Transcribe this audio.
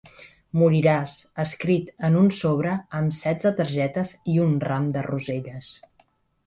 “Moriràs” escrit en un sobre amb setze targetes i un ram de roselles.